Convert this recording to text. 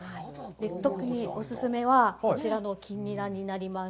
特にお勧めはこちらの金にらになります。